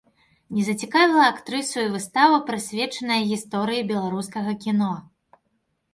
Не зацікавіла актрысу і выстава прысвечаная гісторыі беларускага кіно.